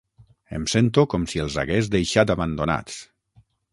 Em sento com si els hagués deixat abandonats.